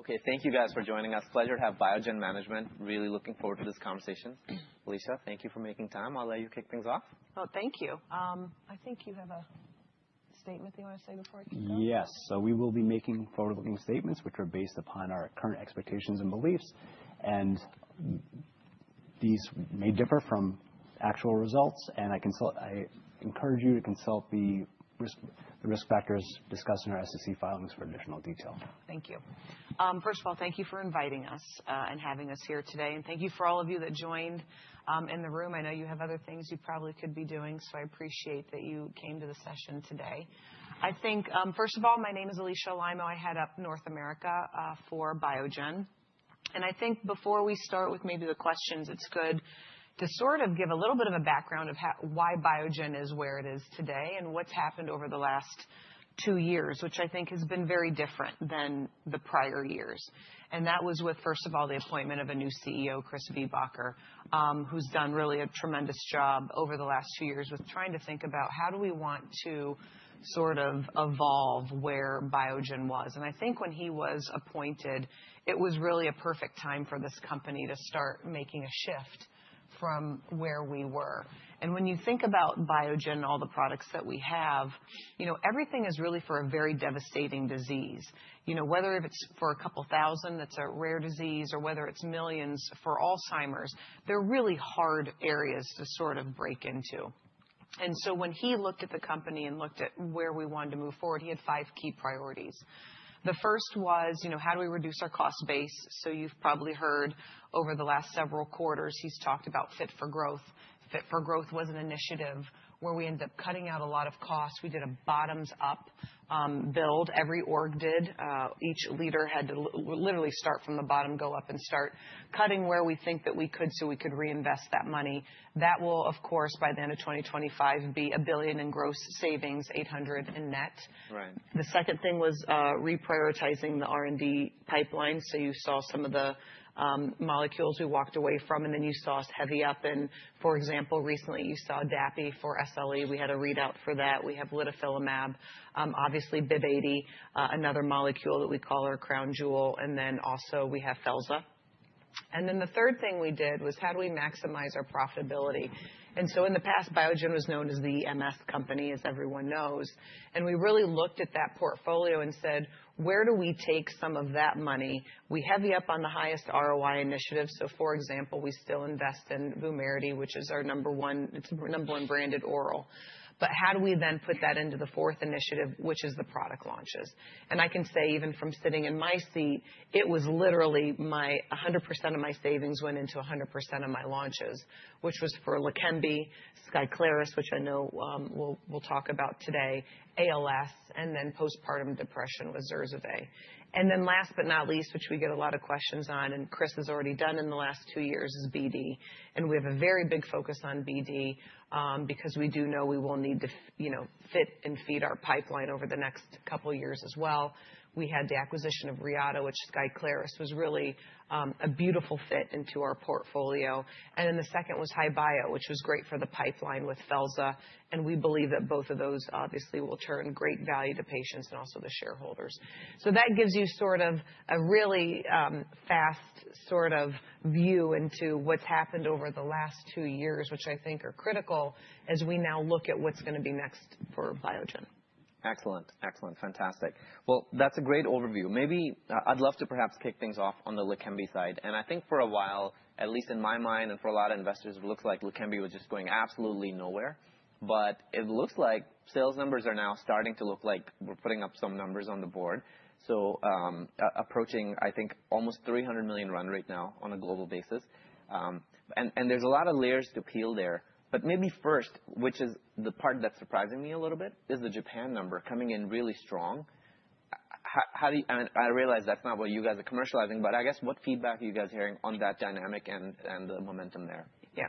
Okay, thank you guys for joining us. Pleasure to have Biogen management. Really looking forward to this conversation. Alisha, thank you for making time. I'll let you kick things off. Oh, thank you. I think you have a statement that you want to say before I kick off? Yes. So we will be making forward-looking statements which are based upon our current expectations and beliefs, and these may differ from actual results. I encourage you to consult the risk factors discussed in our SEC filings for additional detail. Thank you. First of all, thank you for inviting us, and having us here today. And thank you for all of you that joined in the room. I know you have other things you probably could be doing, so I appreciate that you came to the session today. I think, first of all, my name is Alisha Alaimo. I head up North America for Biogen. And I think before we start with maybe the questions, it's good to sort of give a little bit of a background of how, why Biogen is where it is today and what's happened over the last two years, which I think has been very different than the prior years. That was with, first of all, the appointment of a new CEO, Chris Viehbacher, who's done really a tremendous job over the last two years with trying to think about how do we want to sort of evolve where Biogen was. I think when he was appointed, it was really a perfect time for this company to start making a shift from where we were. When you think about Biogen and all the products that we have, you know, everything is really for a very devastating disease. You know, whether it's for a couple thousand that's a rare disease or whether it's millions for Alzheimer's, they're really hard areas to sort of break into. So when he looked at the company and looked at where we wanted to move forward, he had five key priorities. The first was, you know, how do we reduce our cost base? So you've probably heard over the last several quarters he's talked about Fit for Growth. Fit for Growth was an initiative where we ended up cutting out a lot of costs. We did a bottoms-up, build. Every org did. Each leader had to literally start from the bottom, go up, and start cutting where we think that we could so we could reinvest that money. That will, of course, by the end of 2025, be $1 billion in gross savings, $800 million in net. Right. The second thing was, reprioritizing the R&D pipeline. So you saw some of the, molecules we walked away from, and then you saw us heavy up. And, for example, recently you saw Dapi for SLE. We had a readout for that. We have Litifilimab, obviously BIIB080, another molecule that we call our crown jewel. And then also we have Felza. And then the third thing we did was how do we maximize our profitability? And so in the past, Biogen was known as the MS company, as everyone knows. And we really looked at that portfolio and said, "Where do we take some of that money?" We heavy up on the highest ROI initiative. So, for example, we still invest in Vumerity, which is our number one, it's number one branded oral. But how do we then put that into the fourth initiative, which is the product launches? I can say even from sitting in my seat, it was literally my 100% of my savings went into 100% of my launches, which was for Leqembi, Skyclarys, which I know we'll talk about today, ALS, and then postpartum depression with Zurzuvae. And then last but not least, which we get a lot of questions on, and Chris has already done in the last two years, is BD. And we have a very big focus on BD, because we do know we will need to, you know, fit and feed our pipeline over the next couple years as well. We had the acquisition of Reata, which Skyclarys was really a beautiful fit into our portfolio. And then the second was HI-Bio, which was great for the pipeline with Felza. And we believe that both of those obviously will turn great value to patients and also the shareholders. So that gives you sort of a really fast sort of view into what's happened over the last two years, which I think are critical as we now look at what's going to be next for Biogen. Excellent. Excellent. Fantastic. Well, that's a great overview. Maybe I'd love to perhaps kick things off on the Leqembi side. And I think for a while, at least in my mind and for a lot of investors, it looks like Leqembi was just going absolutely nowhere. But it looks like sales numbers are now starting to look like we're putting up some numbers on the board. So, approaching, I think, almost $300 million run right now on a global basis. And there's a lot of layers to peel there. But maybe first, which is the part that's surprising me a little bit, is the Japan number coming in really strong. How do you? I mean, I realize that's not what you guys are commercializing, but I guess what feedback are you guys hearing on that dynamic and the momentum there? Yeah.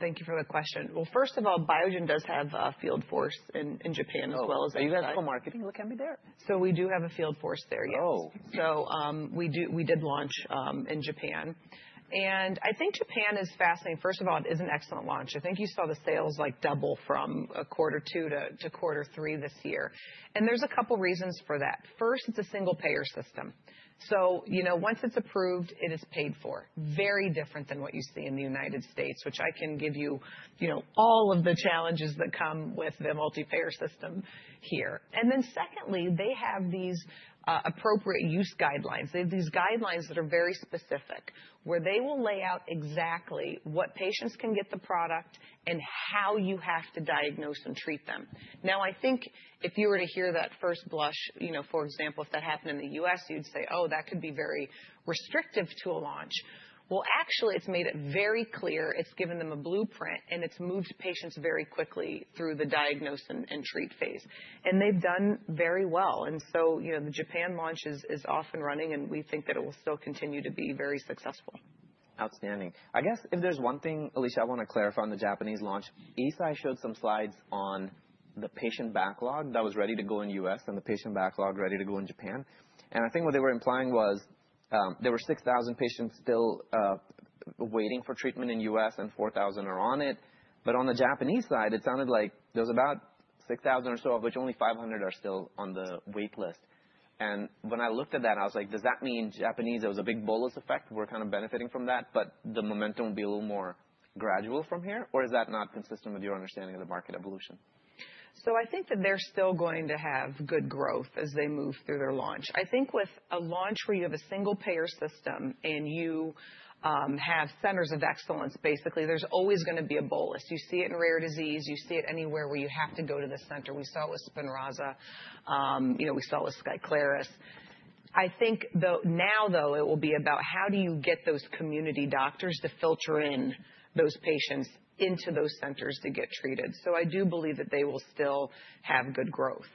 Thank you for the question. Well, first of all, Biogen does have a field force in Japan as well as in Japan. Oh, you guys go marketing Leqembi there? So we do have a field force there, yes. Oh. We did launch in Japan. And I think Japan is fascinating. First of all, it is an excellent launch. I think you saw the sales like double from quarter two to quarter three this year. And there's a couple reasons for that. First, it's a single payer system. So, you know, once it's approved, it is paid for. Very different than what you see in the United States, which I can give you, you know, all of the challenges that come with the multi-payer system here. And then secondly, they have these appropriate use guidelines. They have these guidelines that are very specific where they will lay out exactly what patients can get the product and how you have to diagnose and treat them. Now, I think if you were to hear that first blush, you know, for example, if that happened in the U.S., you'd say, "Oh, that could be very restrictive to a launch." Well, actually, it's made it very clear. It's given them a blueprint, and it's moved patients very quickly through the diagnose and treat phase. And they've done very well. And so, you know, the Japan launch is off and running, and we think that it will still continue to be very successful. Outstanding. I guess if there's one thing, Alisha, I want to clarify on the Japanese launch. Eisai showed some slides on the patient backlog that was ready to go in the U.S. and the patient backlog ready to go in Japan. And I think what they were implying was, there were 6,000 patients still waiting for treatment in the U.S. and 4,000 are on it. But on the Japanese side, it sounded like there was about 6,000 or so, of which only 500 are still on the wait list. And when I looked at that, I was like, does that mean Japanese, there was a big bolus effect? We're kind of benefiting from that, but the momentum will be a little more gradual from here? Or is that not consistent with your understanding of the market evolution? So I think that they're still going to have good growth as they move through their launch. I think with a launch where you have a single payer system and you have centers of excellence, basically there's always going to be a bolus. You see it in rare disease. You see it anywhere where you have to go to the center. We saw it with Spinraza, you know. We saw it with Skyclarys. I think though now it will be about how do you get those community doctors to filter in those patients into those centers to get treated. So I do believe that they will still have good growth.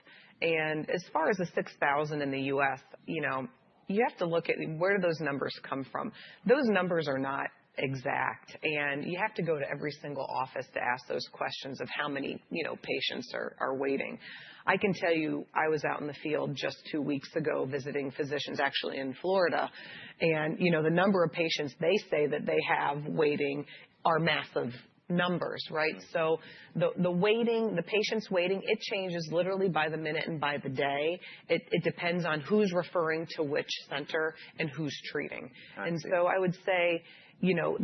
And as far as the 6,000 in the U.S., you know, you have to look at where do those numbers come from. Those numbers are not exact. You have to go to every single office to ask those questions of how many, you know, patients are waiting. I can tell you I was out in the field just two weeks ago visiting physicians actually in Florida. You know, the number of patients they say that they have waiting are massive numbers, right? So the waiting, the patients waiting, it changes literally by the minute and by the day. It depends on who's referring to which center and who's treating. So I would say, you know,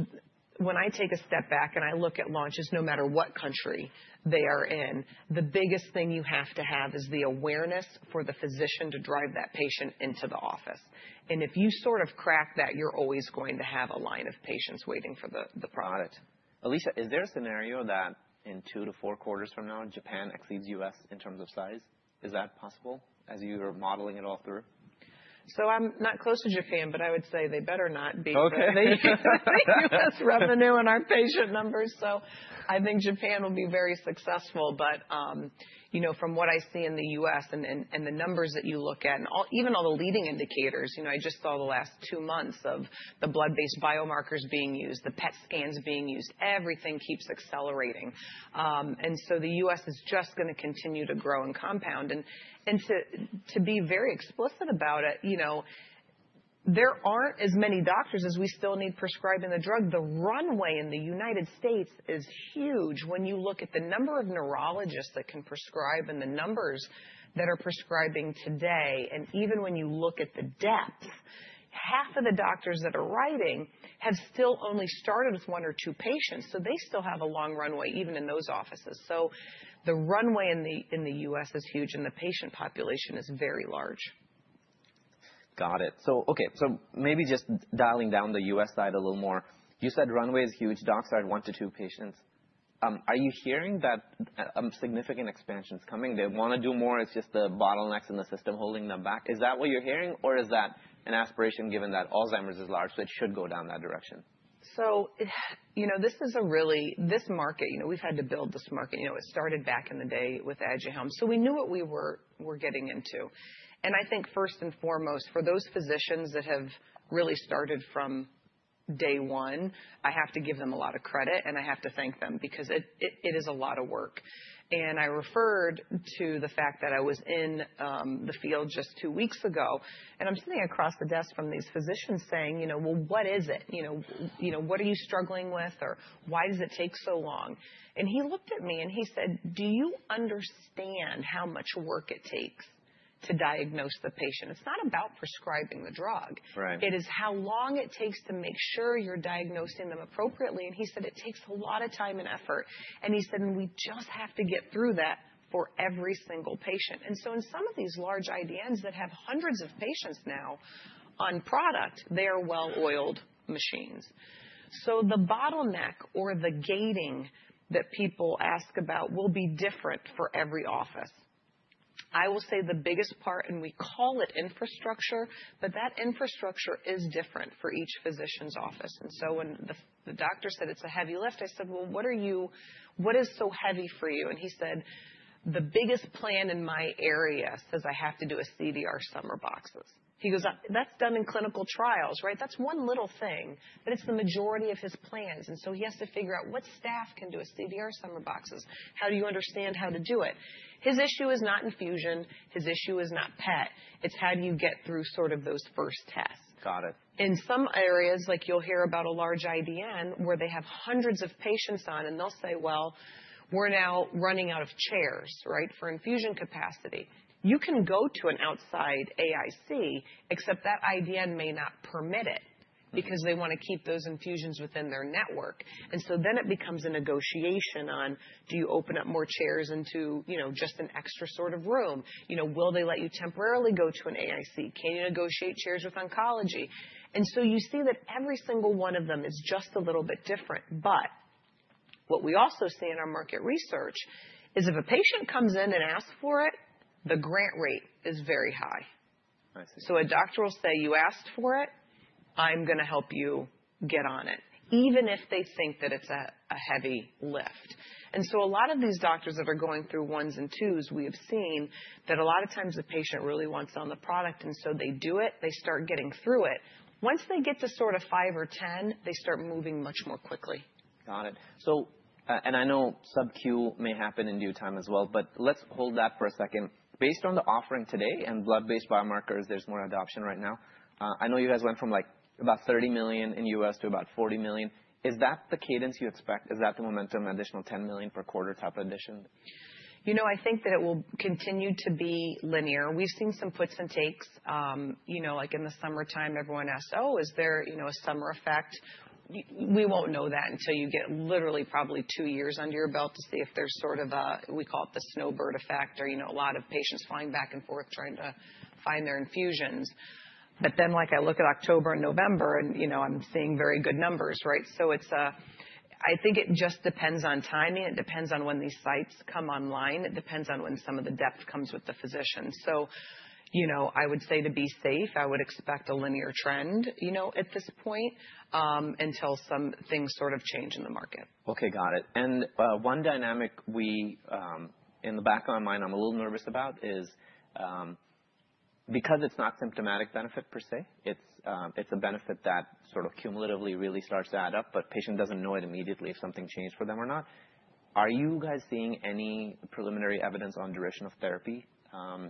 when I take a step back and I look at launches, no matter what country they are in, the biggest thing you have to have is the awareness for the physician to drive that patient into the office. If you sort of crack that, you're always going to have a line of patients waiting for the product. Alisha, is there a scenario that in two to four quarters from now, Japan exceeds the U.S. in terms of size? Is that possible as you are modeling it all through? So I'm not close to Japan, but I would say they better not because they have U.S. revenue and our patient numbers, so I think Japan will be very successful, but you know, from what I see in the U.S. and the numbers that you look at and all, even all the leading indicators, you know, I just saw the last two months of the blood-based biomarkers being used, the PET scans being used, everything keeps accelerating, and so the U.S. is just going to continue to grow and compound, and to be very explicit about it, you know, there aren't as many doctors as we still need prescribing the drug. The runway in the United States is huge when you look at the number of neurologists that can prescribe and the numbers that are prescribing today. Even when you look at the depth, half of the doctors that are writing have still only started with one or two patients. They still have a long runway even in those offices. The runway in the U.S. is huge and the patient population is very large. Got it. So, okay. So maybe just dialing down the U.S. side a little more. You said runway is huge. Docs are at one to two patients. Are you hearing that significant expansion's coming? They want to do more. It's just the bottlenecks in the system holding them back. Is that what you're hearing? Or is that an aspiration given that Alzheimer's is large, so it should go down that direction? You know, this is a really, this market, you know, we've had to build this market. You know, it started back in the day with Aduhelm. We knew what we were getting into. And I think first and foremost, for those physicians that have really started from day one, I have to give them a lot of credit and I have to thank them because it is a lot of work. And I referred to the fact that I was in the field just two weeks ago, and I'm sitting across the desk from these physicians saying, you know, "Well, what is it? You know, what are you struggling with? Or why does it take so long?" And he looked at me and he said, "Do you understand how much work it takes to diagnose the patient? It's not about prescribing the drug. It is how long it takes to make sure you're diagnosing them appropriately." And he said, "It takes a lot of time and effort." And he said, "And we just have to get through that for every single patient." And so in some of these large IDNs that have hundreds of patients now on product, they are well-oiled machines. So the bottleneck or the gating that people ask about will be different for every office. I will say the biggest part, and we call it infrastructure, but that infrastructure is different for each physician's office. And so when the doctor said, "It's a heavy lift," I said, "Well, what are you—what is so heavy for you?" And he said, "The biggest plan in my area says I have to do a CDR Sum of Boxes." He goes, "That's done in clinical trials, right? That's one little thing, but it's the majority of his plans. And so he has to figure out what staff can do a CDR Sum of Boxes. How do you understand how to do it? His issue is not infusion. His issue is not PET. It's how do you get through sort of those first tests. Got it. In some areas, like you'll hear about a large IDN where they have hundreds of patients on, and they'll say, "Well, we're now running out of chairs, right, for infusion capacity." You can go to an outside AIC, except that IDN may not permit it because they want to keep those infusions within their network. And so then it becomes a negotiation on, do you open up more chairs into, you know, just an extra sort of room? You know, will they let you temporarily go to an AIC? Can you negotiate chairs with oncology? And so you see that every single one of them is just a little bit different. But what we also see in our market research is if a patient comes in and asks for it, the grant rate is very high. I see. A doctor will say, "You asked for it. I'm going to help you get on it," even if they think that it's a heavy lift. A lot of these doctors that are going through ones and twos, we have seen that a lot of times the patient really wants on the product, and so they do it. They start getting through it. Once they get to sort of five or 10, they start moving much more quickly. Got it, so and I know subcutaneous may happen in due time as well, but let's hold that for a second. Based on the offering today and blood-based biomarkers, there's more adoption right now. I know you guys went from like about $30 million in the U.S. to about $40 million. Is that the cadence you expect? Is that the momentum, additional $10 million per quarter type of addition? You know, I think that it will continue to be linear. We've seen some puts and takes. You know, like in the summertime, everyone asked, "Oh, is there, you know, a summer effect?" We won't know that until you get literally probably two years under your belt to see if there's sort of a, we call it the snowbird effect or, you know, a lot of patients flying back and forth trying to find their infusions. But then, like I look at October and November, and, you know, I'm seeing very good numbers, right? So it's a, I think it just depends on timing. It depends on when these sites come online. It depends on when some of the depth comes with the physicians. So, you know, I would say to be safe, I would expect a linear trend, you know, at this point, until some things sort of change in the market. Okay. Got it. And one dynamic, in the back of my mind, I'm a little nervous about is because it's not symptomatic benefit per se. It's a benefit that sort of cumulatively really starts to add up, but the patient doesn't know it immediately if something changed for them or not. Are you guys seeing any preliminary evidence on duration of therapy,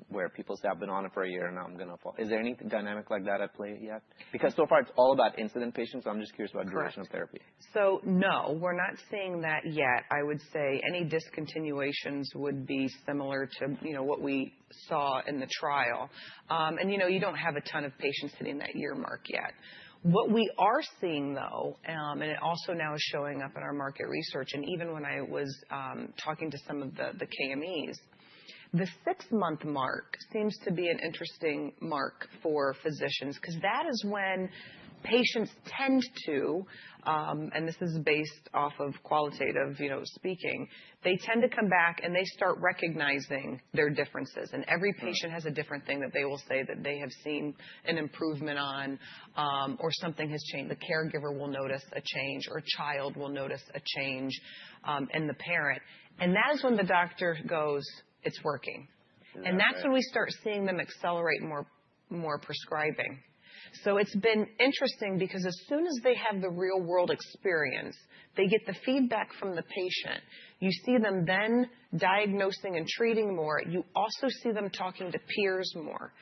where people say, "I've been on it for a year, now I'm going to fall"? Is there any dynamic like that at play yet? Because so far it's all about incident patients. I'm just curious about duration of therapy. So, so no, we're not seeing that yet. I would say any discontinuations would be similar to, you know, what we saw in the trial, and, you know, you don't have a ton of patients hitting that year mark yet. What we are seeing, though, and it also now is showing up in our market research, and even when I was talking to some of the KMEs, the six-month mark seems to be an interesting mark for physicians because that is when patients tend to, and this is based off of qualitative, you know, speaking, they tend to come back and they start recognizing their differences, and every patient has a different thing that they will say that they have seen an improvement on, or something has changed. The caregiver will notice a change or a child will notice a change, and the parent. And that is when the doctor goes, "It's working." And that's when we start seeing them accelerate more, more prescribing. So it's been interesting because as soon as they have the real-world experience, they get the feedback from the patient. You see them then diagnosing and treating more. You also see them talking to peers more.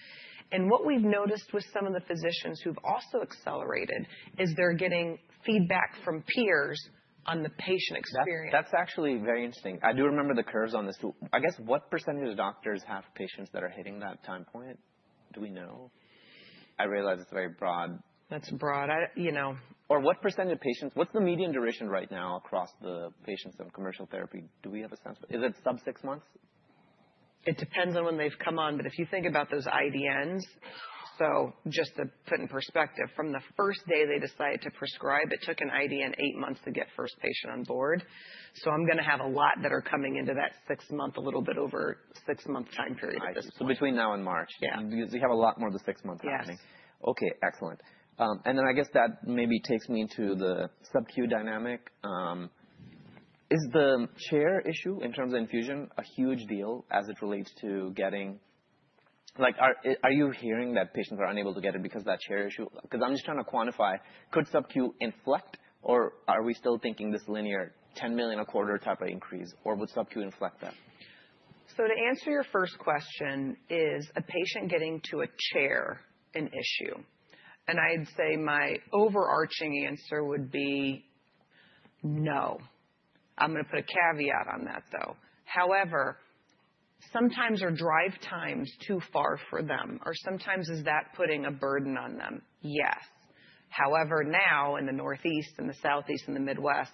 And what we've noticed with some of the physicians who've also accelerated is they're getting feedback from peers on the patient experience. That's actually very interesting. I do remember the curves on this too. I guess what percentage of doctors have patients that are hitting that time point? Do we know? I realize it's very broad. That's broad. I, you know. Or what percentage of patients? What's the median duration right now across the patients in commercial therapy? Do we have a sense? Is it sub-six months? It depends on when they've come on, but if you think about those IDNs, so just to put in perspective, from the first day they decide to prescribe, it took an IDN eight months to get first patient on board, so I'm going to have a lot that are coming into that six-month, a little bit over six-month time period at this point. Between now and March. Yeah. Because we have a lot more of the six-month happening. Yes. Okay. Excellent. And then I guess that maybe takes me into the sub-Q dynamic. Is the chair issue in terms of infusion a huge deal as it relates to getting, like, are you hearing that patients are unable to get it because of that chair issue? Because I'm just trying to quantify, could sub-Q inflect, or are we still thinking this linear $10 million a quarter type of increase, or would sub-Q inflect that? So to answer your first question, is a patient getting to a chair an issue? And I'd say my overarching answer would be no. I'm going to put a caveat on that, though. However, sometimes are drive times too far for them, or sometimes is that putting a burden on them? Yes. However, now in the Northeast and the Southeast and the Midwest,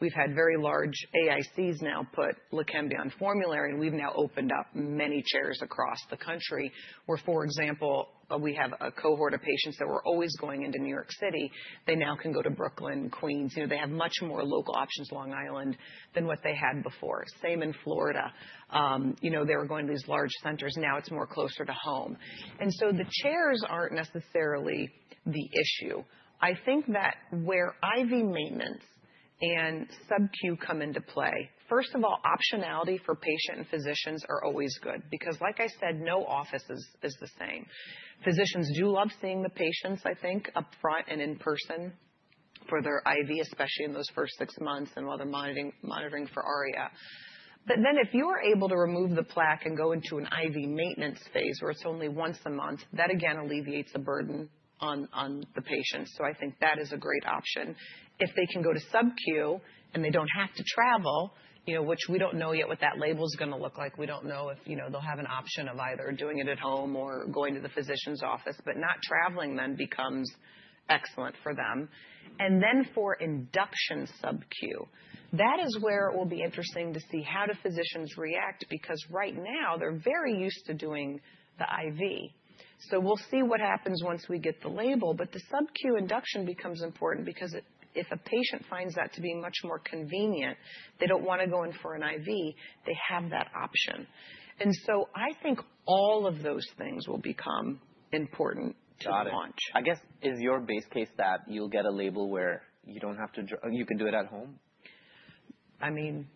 we've had very large AICs now put Leqembi on formulary, and we've now opened up many chairs across the country where, for example, we have a cohort of patients that were always going into New York City. They now can go to Brooklyn, Queens. You know, they have much more local options in Long Island than what they had before. Same in Florida. You know, they were going to these large centers. Now it's more closer to home. And so the chairs aren't necessarily the issue. I think that where IV maintenance and sub-Q come into play, first of all, optionality for patient and physicians are always good because, like I said, no office is the same. Physicians do love seeing the patients, I think, upfront and in person for their IV, especially in those first six months and while they're monitoring for ARIA. But then if you are able to remove the plaque and go into an IV maintenance phase where it's only once a month, that again alleviates the burden on the patient. So I think that is a great option. If they can go to sub-Q and they don't have to travel, you know, which we don't know yet what that label's going to look like. We don't know if, you know, they'll have an option of either doing it at home or going to the physician's office, but not traveling then becomes excellent for them. And then for induction subcutaneous, that is where it will be interesting to see how do physicians react because right now they're very used to doing the IV. So we'll see what happens once we get the label, but the subcutaneous induction becomes important because if a patient finds that to be much more convenient, they don't want to go in for an IV, they have that option. And so I think all of those things will become important to launch. I guess, is your base case that you'll get a label where you don't have to, you can do it at home? I mean.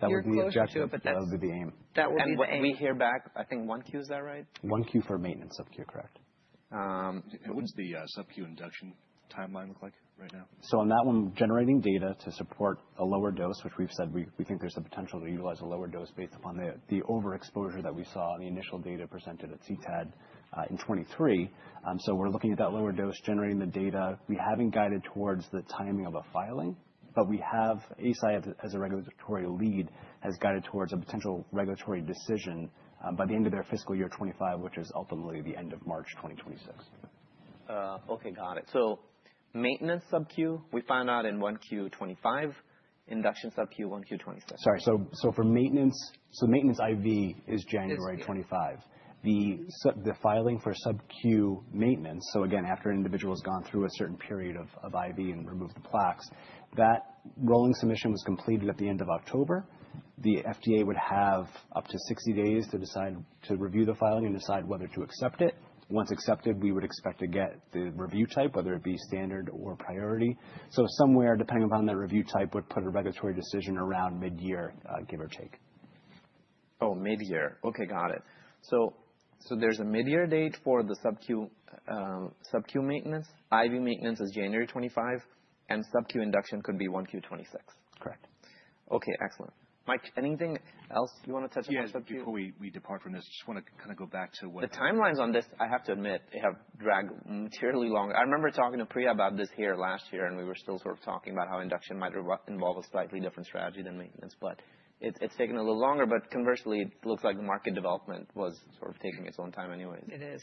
That would be your objective. You're close to it, but that's. That would be the aim. That would be the aim. And we hear back, I think 1Q, is that right? 1Q for maintenance subcutaneous, correct? What does the subcutaneous induction timeline look like right now? So on that one, generating data to support a lower dose, which we've said we think there's a potential to utilize a lower dose based upon the overexposure that we saw in the initial data presented at CTAD, in 2023. So we're looking at that lower dose, generating the data. We haven't guided towards the timing of a filing, but Eisai, as a regulatory lead, has guided towards a potential regulatory decision, by the end of their fiscal year 2025, which is ultimately the end of March 2026. Okay. Got it. So maintenance sub-Q, we found out in 1Q 2025, induction sub-Q 1Q 2026. Sorry. So for maintenance, maintenance IV is January 2025. The filing for subcutaneous maintenance, so again, after an individual has gone through a certain period of IV and removed the plaques, that rolling submission was completed at the end of October. The FDA would have up to 60 days to decide to review the filing and decide whether to accept it. Once accepted, we would expect to get the review type, whether it be standard or priority. So somewhere, depending upon that review type, would put a regulatory decision around mid-year, give or take. Oh, mid-year. Okay. Got it. So there's a mid-year date for the subcutaneous maintenance. IV maintenance is January 2025, and subcutaneous induction could be Q1 2026. Correct. Okay. Excellent. Mike, anything else you want to touch on subcutaneous? Yeah. Before we depart from this, just want to kind of go back to what. The timelines on this, I have to admit, have dragged materially long. I remember talking to Priya about this here last year, and we were still sort of talking about how induction might involve a slightly different strategy than maintenance, but it's taken a little longer. But conversely, it looks like the market development was sort of taking its own time anyways. It is.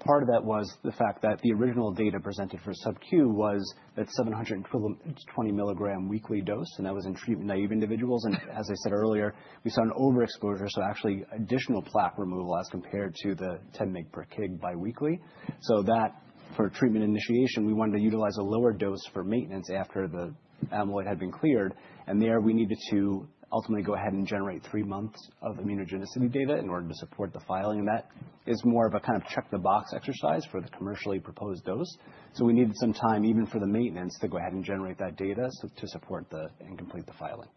Part of that was the fact that the original data presented for subcutaneous was at 720 mg weekly dose, and that was in treatment naive individuals. As I said earlier, we saw an overexposure, so actually additional plaque removal as compared to the 10 mg/kg biweekly. For treatment initiation, we wanted to utilize a lower dose for maintenance after the amyloid had been cleared. There we needed to ultimately go ahead and generate three months of immunogenicity data in order to support the filing. That is more of a kind of check-the-box exercise for the commercially proposed dose. We needed some time even for the maintenance to go ahead and generate that data to support and complete the filing.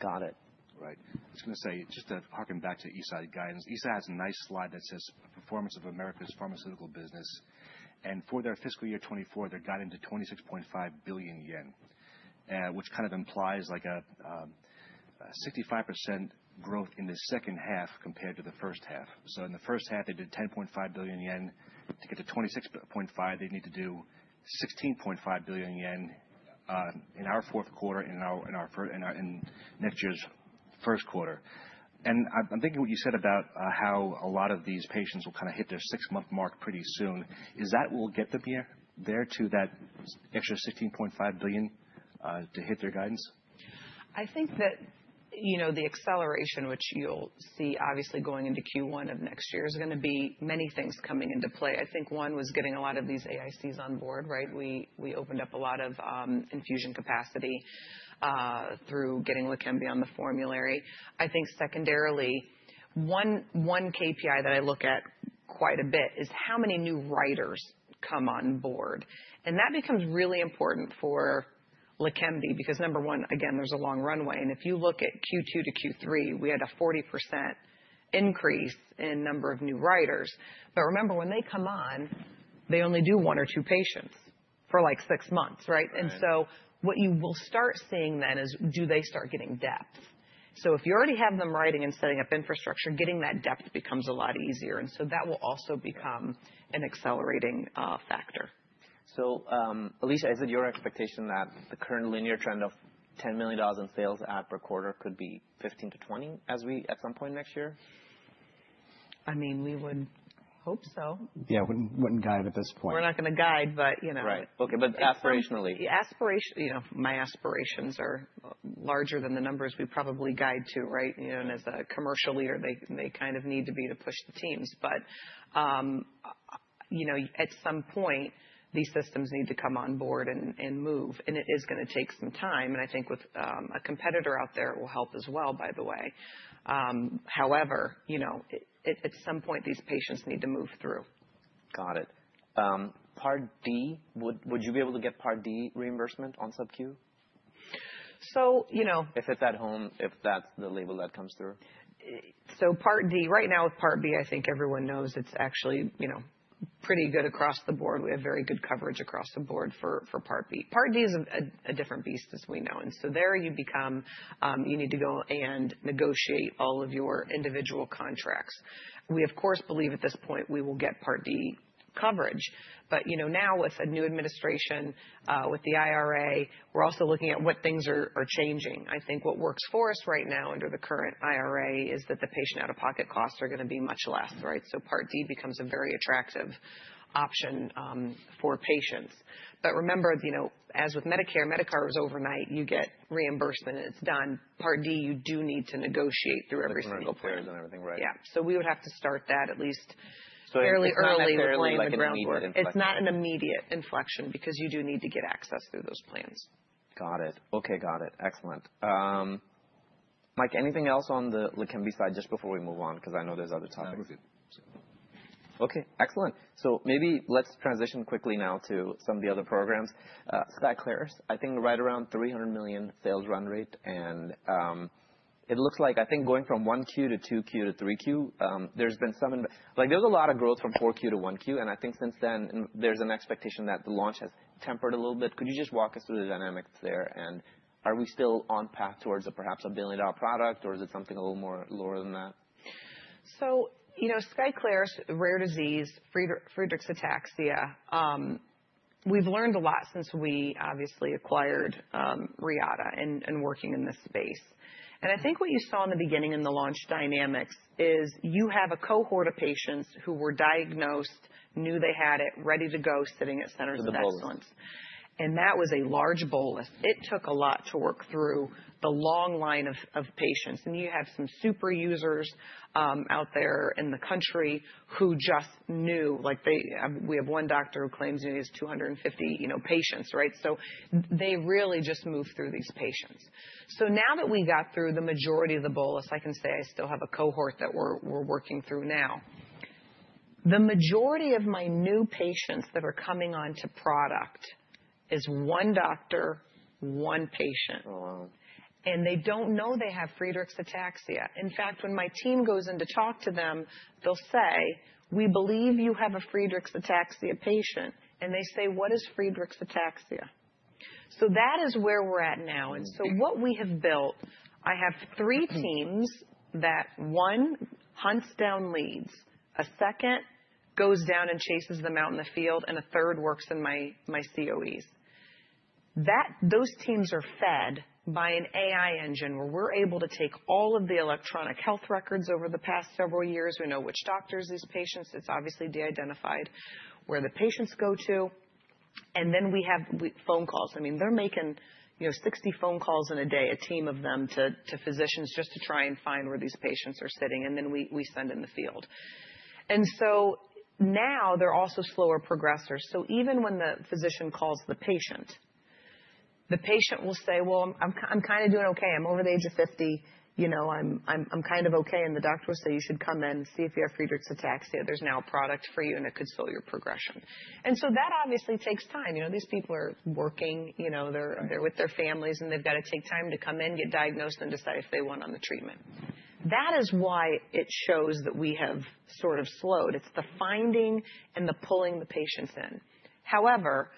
Got it. Right. I was going to say just to harken back to Eisai guidance. Eisai has a nice slide that says performance of America's pharmaceutical business. And for their fiscal year 2024, they're guiding to 26.5 billion yen, which kind of implies like a 65% growth in the second half compared to the first half. So in the first half, they did 10.5 billion yen. To get to 26.5 billion, they need to do 16.5 billion yen in our fourth quarter, in our next year's first quarter. And I'm thinking what you said about how a lot of these patients will kind of hit their six-month mark pretty soon. Is that what will get them there to that extra 16.5 billion to hit their guidance? I think that, you know, the acceleration, which you'll see obviously going into Q1 of next year is going to be many things coming into play. I think one was getting a lot of these AICs on board, right? We opened up a lot of infusion capacity through getting Leqembi on the formulary. I think secondarily, one KPI that I look at quite a bit is how many new writers come on board. And that becomes really important for Leqembi because number one, again, there's a long runway. And if you look at Q2 to Q3, we had a 40% increase in number of new writers. But remember, when they come on, they only do one or two patients for like six months, right? And so what you will start seeing then is do they start getting depth? So if you already have them writing and setting up infrastructure, getting that depth becomes a lot easier. And so that will also become an accelerating factor. Alisha, is it your expectation that the current linear trend of $10 million in sales per quarter could be $15 million-$20 million at some point next year? I mean, we would hope so. Yeah. Wouldn't guide at this point. We're not going to guide, but, you know. Right. Okay. But aspirationally. Aspiration, you know, my aspirations are larger than the numbers we probably guide to, right? You know, and as a commercial leader, they kind of need to be to push the teams, but you know, at some point, these systems need to come on board and move, and it is going to take some time, and I think with a competitor out there, it will help as well, by the way. However, you know, at some point, these patients need to move through. Got it. Part D, would you be able to get Part D reimbursement on subcutaneous? So, you know. If it's at home, if that's the label that comes through. Part D, right now with Part B, I think everyone knows it's actually, you know, pretty good across the board. We have very good coverage across the board for Part B. Part D is a different beast as we know. And so there you become, you need to go and negotiate all of your individual contracts. We, of course, believe at this point we will get Part D coverage. But, you know, now with a new administration, with the IRA, we're also looking at what things are changing. I think what works for us right now under the current IRA is that the patient out-of-pocket costs are going to be much less, right? Part D becomes a very attractive option for patients. But remember, you know, as with Medicare, Medicare is overnight, you get reimbursement and it's done. Part D, you do need to negotiate through every single plan. And everything right. Yeah. So we would have to start that at least fairly early with the planning board. It's not an immediate inflection because you do need to get access through those plans. Got it. Okay. Got it. Excellent. Mike, anything else on the Leqembi side just before we move on? Because I know there's other topics. That was it. Okay. Excellent. So maybe let's transition quickly now to some of the other programs. Skyclarys, I think right around $300 million sales run rate. And it looks like I think going from Q1 to Q2 to Q3, there's been some, like, there's a lot of growth from Q4 to Q1. And I think since then there's an expectation that the launch has tempered a little bit. Could you just walk us through the dynamics there? And are we still on path towards perhaps a $1 billion product, or is it something a little more lower than that? So, you know, Skyclarys, rare disease, Friedreich's ataxia. We've learned a lot since we obviously acquired Reata and working in this space. I think what you saw in the beginning in the launch dynamics is you have a cohort of patients who were diagnosed, knew they had it, ready to go, sitting at centers of excellence. That was a large bolus. It took a lot to work through the long line of patients. You have some super users out there in the country who just knew, like they. We have one doctor who claims he has 250, you know, patients, right? So they really just moved through these patients. Now that we got through the majority of the bolus, I can say I still have a cohort that we're working through now. The majority of my new patients that are coming onto product is one doctor, one patient, and they don't know they have Friedreich's ataxia. In fact, when my team goes in to talk to them, they'll say, "We believe you have a Friedreich's ataxia patient," and they say, "What is Friedreich's ataxia?" So that is where we're at now, and so what we have built, I have three teams that one hunts down leads, a second goes down and chases them out in the field, and a third works in my, my COEs. That, those teams are fed by an AI engine where we're able to take all of the electronic health records over the past several years. We know which doctors these patients, it's obviously de-identified where the patients go to, and then we have phone calls. I mean, they're making, you know, 60 phone calls in a day, a team of them to physicians just to try and find where these patients are sitting. And then we send in the field. And so now they're also slower progressors. So even when the physician calls the patient, the patient will say, "Well, I'm kind of doing okay. I'm over the age of 50, you know, I'm kind of okay." And the doctor will say, "You should come in, see if you have Friedreich's ataxia. There's now a product for you, and it could slow your progression." And so that obviously takes time. You know, these people are working, you know, they're with their families, and they've got to take time to come in, get diagnosed, and decide if they want on the treatment. That is why it shows that we have sort of slowed. It's the finding and the pulling the patients in. However,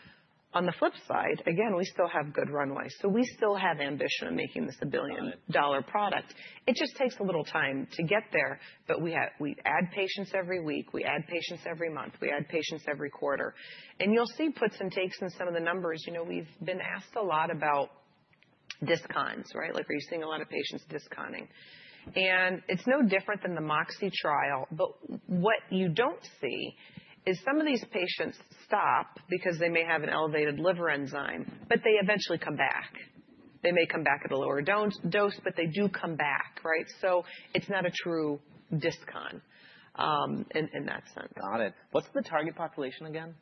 on the flip side, again, we still have good runway. So we still have ambition of making this a billion-dollar product. It just takes a little time to get there. But we have, we add patients every week. We add patients every month. We add patients every quarter. And you'll see puts and takes in some of the numbers. You know, we've been asked a lot about discons, right? Like, are you seeing a lot of patients disconning? And it's no different than the MOXIe trial. But what you don't see is some of these patients stop because they may have an elevated liver enzyme, but they eventually come back. They may come back at a lower dose, but they do come back, right? So it's not a true discontinuation in that sense. Got it. What's the target population again?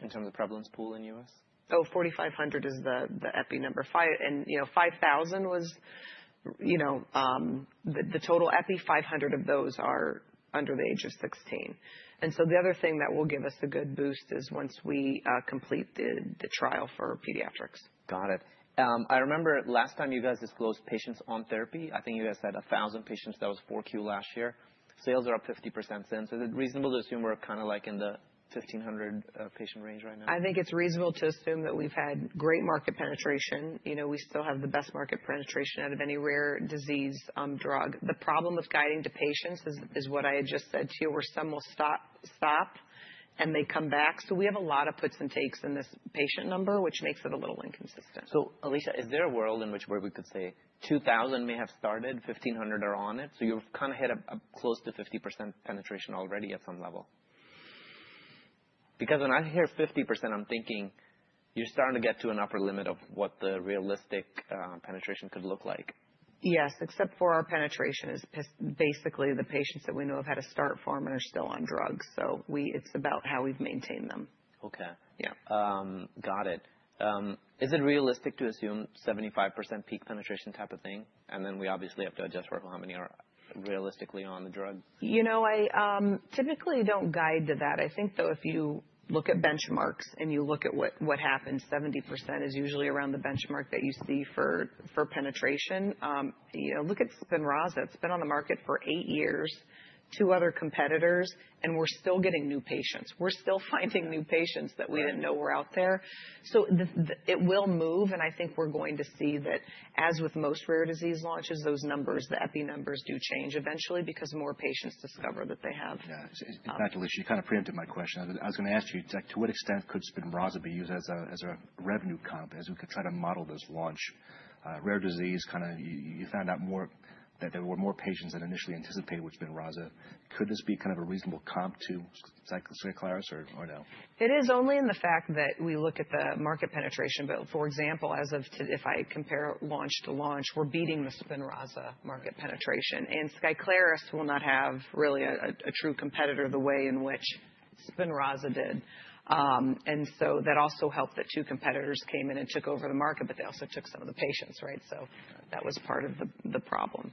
In terms of prevalence pool in the U.S.? Oh, 4,500 is the epi number. And, you know, 5,000 was, you know, the total epi, 500 of those are under the age of 16. And so the other thing that will give us a good boost is once we complete the trial for pediatrics. Got it. I remember last time you guys disclosed patients on therapy. I think you guys had a thousand patients that was Q4 last year. Sales are up 50% since. Is it reasonable to assume we're kind of like in the 1,500 patient range right now? I think it's reasonable to assume that we've had great market penetration. You know, we still have the best market penetration out of any rare disease drug. The problem with guiding to patients is what I had just said to you, where some will stop and they come back. So we have a lot of puts and takes in this patient number, which makes it a little inconsistent. So, Alisha, is there a world in which where we could say 2,000 may have started, 1,500 are on it? So you've kind of hit a close to 50% penetration already at some level. Because when I hear 50%, I'm thinking you're starting to get to an upper limit of what the realistic, penetration could look like. Yes, except for our penetration is basically the patients that we know have had a start form and are still on drugs. So, it's about how we've maintained them. Okay. Yeah. Got it. Is it realistic to assume 75% peak penetration type of thing, and then we obviously have to adjust for how many are realistically on the drug? You know, I typically don't guide to that. I think though, if you look at benchmarks and you look at what happens, 70% is usually around the benchmark that you see for penetration. You know, look at Spinraza. It's been on the market for eight years, two other competitors, and we're still getting new patients. We're still finding new patients that we didn't know were out there. So it will move. And I think we're going to see that as with most rare disease launches, those numbers, the epi numbers do change eventually because more patients discover that they have. Yeah. In fact, Alisha, you kind of preempted my question. I was going to ask you, to what extent could Spinraza be used as a, as a revenue comp as we could try to model this launch? Rare disease kind of, you, you found out more that there were more patients than initially anticipated with Spinraza. Could this be kind of a reasonable comp to, say, Skyclarys or, or no? It is only in the fact that we look at the market penetration. But for example, as if I compare launch to launch, we're beating the Spinraza market penetration. And Skyclarys will not have really a true competitor the way in which Spinraza did, and so that also helped that two competitors came in and took over the market, but they also took some of the patients, right? So that was part of the problem.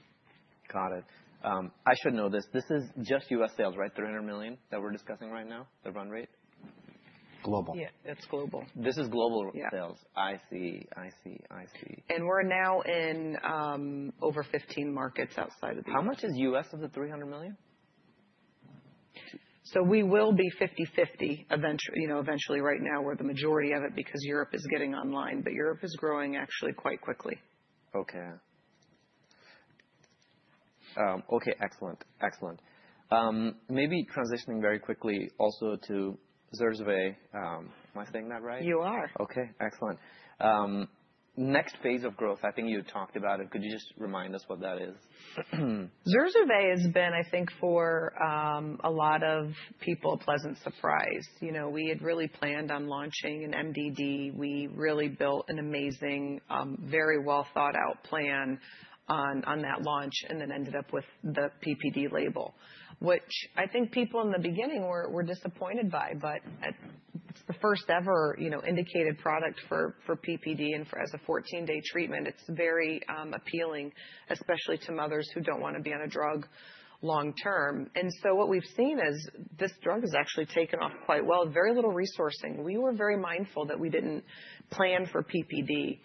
Got it. I should know this. This is just U.S. sales, right? $300 million that we're discussing right now, the run rate? Global. Yeah, it's global. This is global sales. I see. I see. I see. We're now in over 15 markets outside of the U.S. How much is U.S. of the 300 million? We will be 50/50 eventually, you know, eventually right now where the majority of it because Europe is getting online, but Europe is growing actually quite quickly. Okay. Excellent. Maybe transitioning very quickly also to Zurzuvae. Am I saying that right? You are. Okay. Excellent. Next phase of growth, I think you talked about it. Could you just remind us what that is? Zurzuvae has been, I think, for a lot of people, a pleasant surprise. You know, we had really planned on launching an MDD. We really built an amazing, very well thought out plan on, on that launch and then ended up with the PPD label, which I think people in the beginning were, were disappointed by. But it's the first ever, you know, indicated product for, for PPD and for as a 14-day treatment. It's very appealing, especially to mothers who don't want to be on a drug long term. And so what we've seen is this drug has actually taken off quite well with very little resourcing. We were very mindful that we didn't plan for PPD.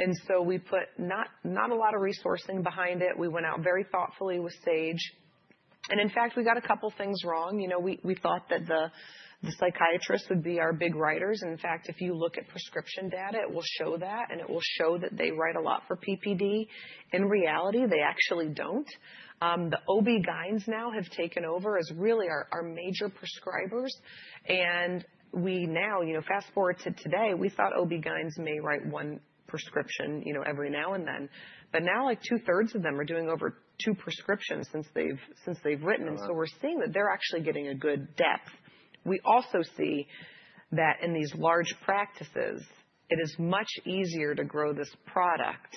And so we put not, not a lot of resourcing behind it. We went out very thoughtfully with Sage. And in fact, we got a couple of things wrong. You know, we thought that the psychiatrists would be our big writers. In fact, if you look at prescription data, it will show that, and it will show that they write a lot for PPD. In reality, they actually don't. The OB-GYNs now have taken over as really our major prescribers. And we now, you know, fast forward to today, we thought OB-GYNs may write one prescription, you know, every now and then. But now like two-thirds of them are doing over two prescriptions since they've written. And so we're seeing that they're actually getting a good depth. We also see that in these large practices, it is much easier to grow this product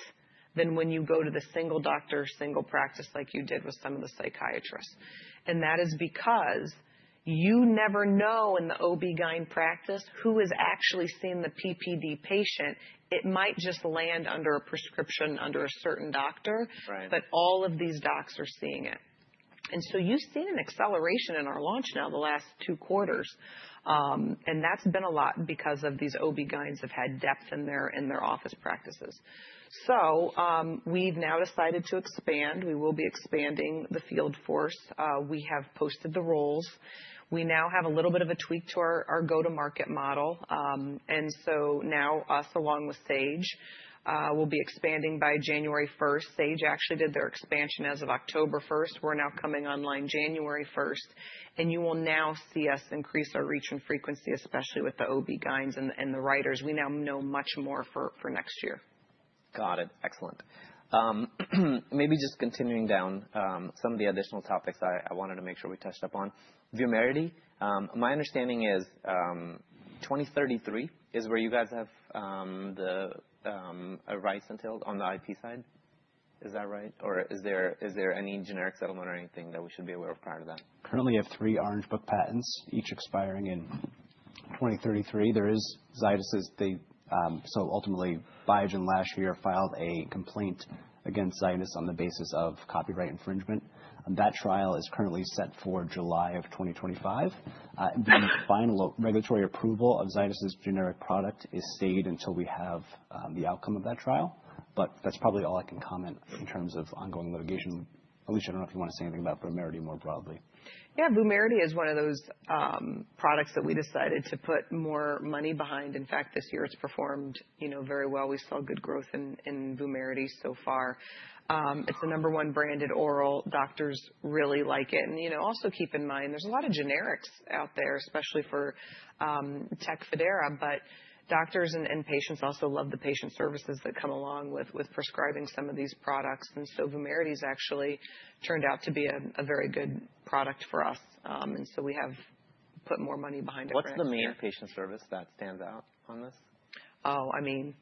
than when you go to the single doctor, single practice like you did with some of the psychiatrists. That is because you never know in the OB-GYN practice who is actually seeing the PPD patient. It might just land under a prescription under a certain doctor, but all of these docs are seeing it. So you've seen an acceleration in our launch now the last two quarters. And that's been a lot because of these OB-GYNs have had depth in their office practices. We've now decided to expand. We will be expanding the field force. We have posted the roles. We now have a little bit of a tweak to our go-to-market model. And so now us along with Sage will be expanding by January 1st. Sage actually did their expansion as of October 1st. We're now coming online January 1st. And you will now see us increase our reach and frequency, especially with the OB-GYNs and the writers. We now know much more for next year. Got it. Excellent. Maybe just continuing down, some of the additional topics I wanted to make sure we touched up on. Vumerity, my understanding is, 2033 is where you guys have the rights until on the IP side. Is that right? Or is there any generic settlement or anything that we should be aware of prior to that? Currently, we have three Orange Book patents, each expiring in 2033. There is Zydus', so ultimately Biogen last year filed a complaint against Zydus on the basis of copyright infringement. That trial is currently set for July of 2025. The final regulatory approval of Zydus' generic product is stayed until we have the outcome of that trial. But that's probably all I can comment in terms of ongoing litigation. Alisha, I don't know if you want to say anything about Vumerity more broadly. Yeah, Vumerity is one of those products that we decided to put more money behind. In fact, this year it's performed, you know, very well. We saw good growth in Vumerity so far. It's the number one branded oral. Doctors really like it. And, you know, also keep in mind there's a lot of generics out there, especially for Tecfidera. But doctors and patients also love the patient services that come along with prescribing some of these products. And so Vumerity's actually turned out to be a very good product for us, and so we have put more money behind it. What's the main patient service that stands out on this? Oh, I mean,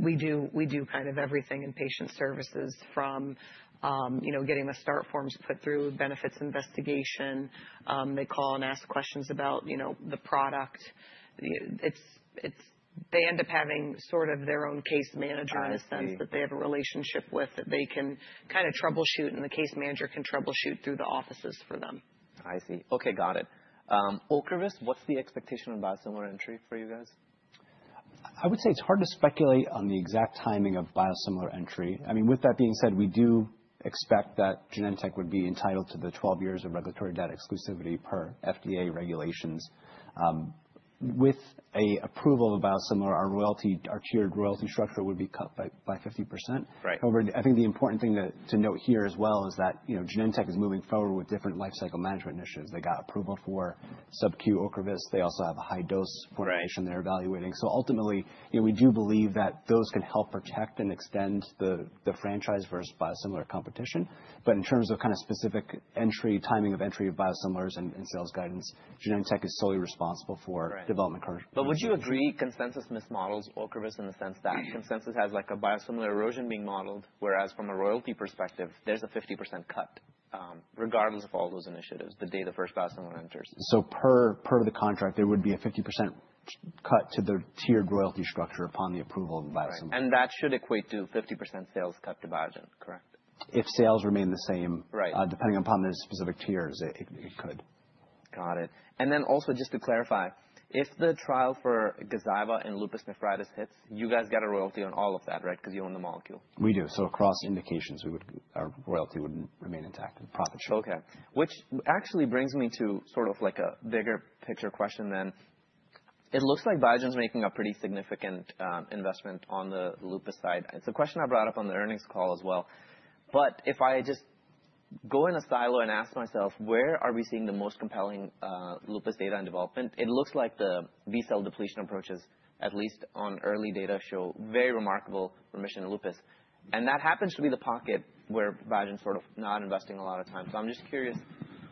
we do kind of everything in patient services from, you know, getting the start forms put through, benefits investigation. They call and ask questions about, you know, the product. It's they end up having sort of their own case manager in a sense that they have a relationship with that they can kind of troubleshoot, and the case manager can troubleshoot through the offices for them. I see. Okay. Got it. Ocrevus, what's the expectation on biosimilar entry for you guys? I would say it's hard to speculate on the exact timing of biosimilar entry. I mean, with that being said, we do expect that Genentech would be entitled to the 12 years of regulatory data exclusivity per FDA regulations. With an approval of biosimilar, our royalty, our tiered royalty structure would be cut by 50%. Right. However, I think the important thing to note here as well is that, you know, Genentech is moving forward with different lifecycle management initiatives. They got approval for sub-Q Ocrevus. They also have a high dose formulation they're evaluating. So ultimately, you know, we do believe that those can help protect and extend the franchise versus biosimilar competition. But in terms of kind of specific entry, timing of entry of biosimilars and sales guidance, Genentech is solely responsible for development. But would you agree consensus mismodels Ocrevus in the sense that consensus has like a biosimilar erosion being modeled, whereas from a royalty perspective, there's a 50% cut, regardless of all those initiatives the day the first biosimilar enters? Per the contract, there would be a 50% cut to the tiered royalty structure upon the approval of the biosimilar. That should equate to 50% sales cut to Biogen, correct? If sales remain the same, depending upon the specific tiers, it could. Got it. And then also just to clarify, if the trial for Gazyva and lupus nephritis hits, you guys got a royalty on all of that, right? Because you own the molecule. We do so across indications, we would, our royalty would remain intact and profit share. Okay. Which actually brings me to sort of like a bigger picture question then. It looks like Biogen's making a pretty significant investment on the lupus side. It's a question I brought up on the earnings call as well. But if I just go in a silo and ask myself, where are we seeing the most compelling lupus data and development? It looks like the B-cell depletion approaches, at least on early data, show very remarkable remission in lupus. And that happens to be the pocket where Biogen's sort of not investing a lot of time. So I'm just curious,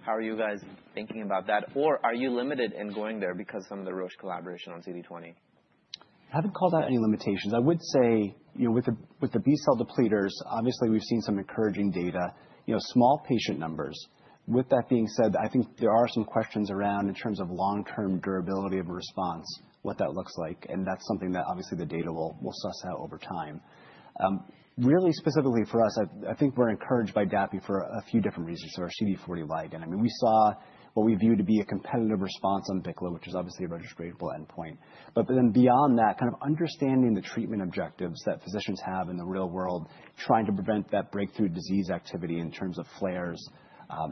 how are you guys thinking about that? Or are you limited in going there because of some of the Roche collaboration on CD20? I haven't called out any limitations. I would say, you know, with the B-cell depleters, obviously we've seen some encouraging data, you know, small patient numbers. With that being said, I think there are some questions around in terms of long-term durability of a response, what that looks like. And that's something that obviously the data will suss out over time. Really specifically for us, I think we're encouraged by Dapi for a few different reasons. So our CD40 ligand. I mean, we saw what we viewed to be a competitive response on BICLA, which is obviously a registrational endpoint. But then beyond that, kind of understanding the treatment objectives that physicians have in the real world, trying to prevent that breakthrough disease activity in terms of flares,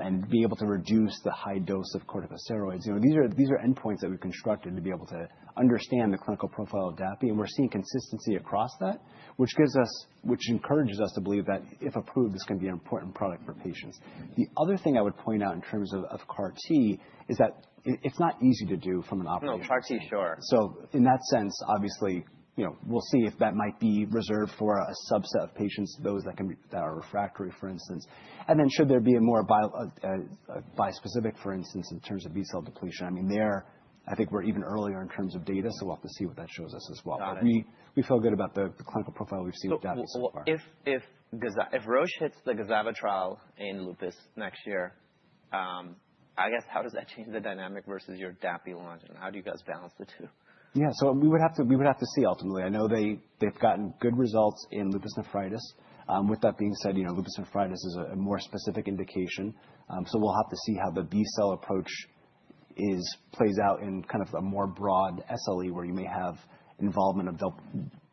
and be able to reduce the high dose of corticosteroids. You know, these are, these are endpoints that we've constructed to be able to understand the clinical profile of Dapi, and we're seeing consistency across that, which gives us, which encourages us to believe that if approved, this can be an important product for patients. The other thing I would point out in terms of CAR-T is that it's not easy to do from an operating room. No, CAR-T, sure. So in that sense, obviously, you know, we'll see if that might be reserved for a subset of patients, those that can, that are refractory, for instance. And then should there be a more bispecific, for instance, in terms of B-cell depletion? I mean, there, I think we're even earlier in terms of data. So we'll have to see what that shows us as well. But we feel good about the clinical profile we've seen with Dapi so far. If Roche hits the Gazyva trial in lupus next year, I guess how does that change the dynamic versus your Dapi launch? And how do you guys balance the two? Yeah. So we would have to see ultimately. I know they've gotten good results in lupus nephritis. With that being said, you know, lupus nephritis is a more specific indication. So we'll have to see how the B-cell approach plays out in kind of a more broad SLE where you may have involvement of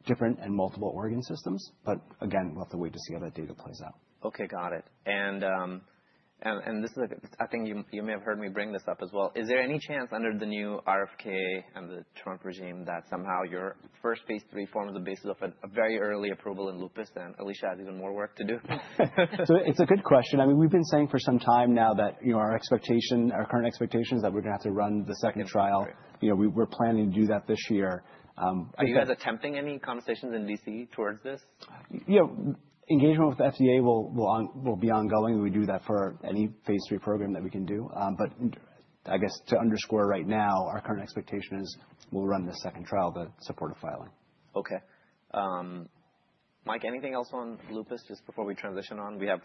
different and multiple organ systems. But again, we'll have to wait to see how that data plays out. Okay. Got it. And this is a, I think you may have heard me bring this up as well. Is there any chance under the new RFK and the Trump regime that somehow your first phase III forms the basis of a very early approval in lupus? And Alisha has even more work to do. It's a good question. I mean, we've been saying for some time now that, you know, our expectation, our current expectation is that we're going to have to run the second trial. You know, we're planning to do that this year. Are you guys attempting any conversations in D.C. towards this? You know, engagement with the FDA will be ongoing. We do that for any phase III program that we can do. But I guess to underscore right now, our current expectation is we'll run the second trial, the supportive filing. Okay. Mike, anything else on lupus just before we transition on? We have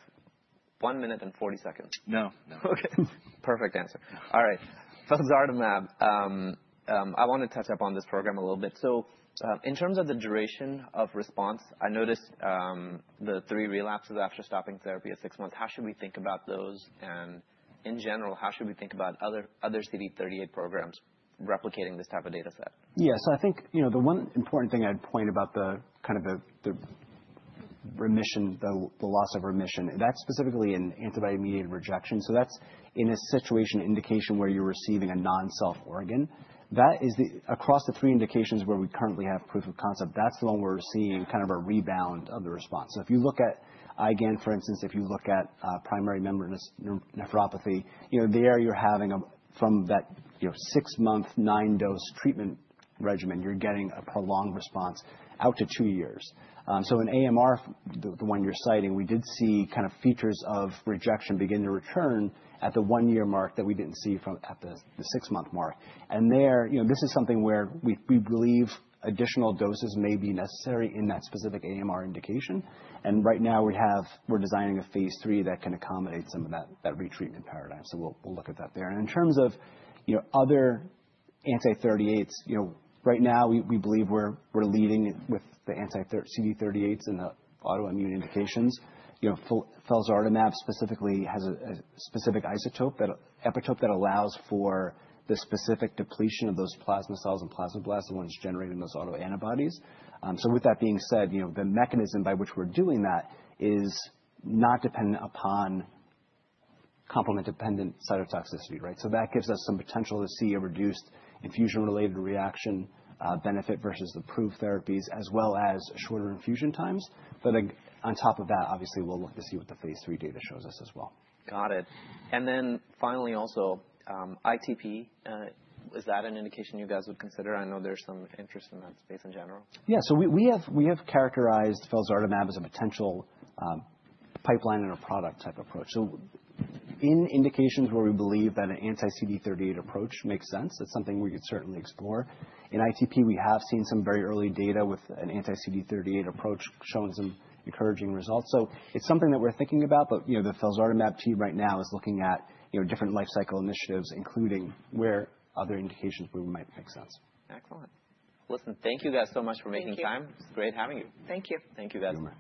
one minute and 40 seconds. No. No. Okay. Perfect answer. All right. Felzartamab, I want to touch up on this program a little bit. So, in terms of the duration of response, I noticed the three relapses after stopping therapy at six months. How should we think about those? And in general, how should we think about other CD38 programs replicating this type of data set? Yeah. So I think, you know, the one important thing I'd point about the kind of remission, the loss of remission, that's specifically in antibody-mediated rejection. So that's in a situation, indication where you're receiving a non-self organ. That is, across the three indications where we currently have proof of concept, that's the one where we're seeing kind of a rebound of the response. So if you look at IgAN, for instance, if you look at primary membranous nephropathy, you know, there you're having, from that, you know, six-month, nine-dose treatment regimen, you're getting a prolonged response out to two years. So in AMR, the one you're citing, we did see kind of features of rejection begin to return at the one-year mark that we didn't see at the six-month mark. And there you know this is something where we believe additional doses may be necessary in that specific AMR indication. And right now we're designing a phase III that can accommodate some of that retreatment paradigm. So we'll look at that there. And in terms of you know other anti-CD38s you know right now we believe we're leading with the anti-CD38s and the autoimmune indications. You know felzartamab specifically has a specific epitope that epitope that allows for the specific depletion of those plasma cells and plasmablasts when it's generating those autoantibodies. So with that being said you know the mechanism by which we're doing that is not dependent upon complement-dependent cytotoxicity right? So that gives us some potential to see a reduced infusion-related reaction benefit versus the approved therapies as well as shorter infusion times. But on top of that, obviously, we'll look to see what the phase III data shows us as well. Got it. And then finally also, ITP, is that an indication you guys would consider? I know there's some interest in that space in general. Yeah. So we have characterized felzartamab as a potential pipeline-in-a-product type approach. So in indications where we believe that an anti-CD38 approach makes sense, it's something we could certainly explore. In ITP, we have seen some very early data with an anti-CD38 approach showing some encouraging results. So it's something that we're thinking about. But, you know, the felzartamab team right now is looking at, you know, different lifecycle initiatives, including other indications where we might make sense. Excellent. Listen, thank you guys so much for making time. It's great having you. Thank you. Thank you guys.